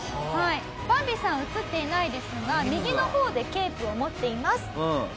バンビさんは写っていないですが右の方でケープを持っています。